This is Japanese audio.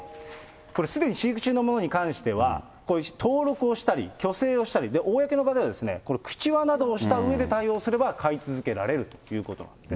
これすでに飼育中のものに関しては、登録をしたり、去勢をしたり、公の場では、口輪などをしたうえで対応すれば飼い続けられるということなんですね。